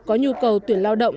có nhu cầu tuyển lao động